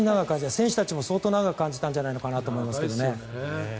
選手たちも相当長く感じたんじゃないのかなと思いますけどね。